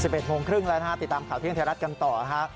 ๑๑โมงครึ่งแล้วนะครับติดตามข่าวเที่ยงเทวรัฐกันต่อครับ